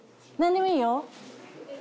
何でもいいよ。